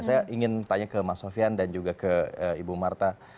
saya ingin tanya ke mas sofian dan juga ke ibu marta